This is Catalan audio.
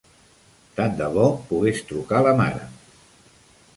Tant de bo pogués trucar la mare.